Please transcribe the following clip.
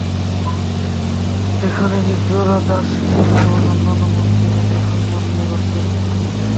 যেখানে নিগ্রোরা দাস হিসেবে নয়, অন্যান্য মানুষের মতোই সম্মান নিয়ে বাঁচতে পারে।